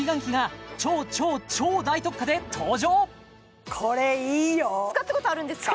で登場使ったことあるんですか？